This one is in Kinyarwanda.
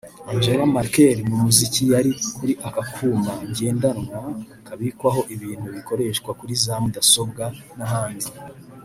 Angela Merkel…Mu miziki yari kuri aka kuma ngendanwa kabikwaho ibintu bikoreshwa kuri za mudasobwa n’ahandi